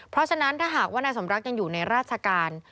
เพราะฉะนั้นถ้าหากว่านายสมรักยังอยู่ในราชการ